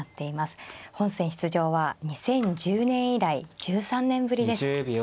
本戦出場は２０１０年以来１３年ぶりです。